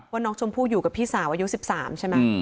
ว่าน้องชมพู่อยู่กับพี่สาวอายุ๑๓ใช่ไหม